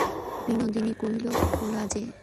বিনোদিনী কহিল, খোলা যে?